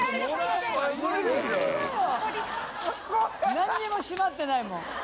何にも閉まってないもん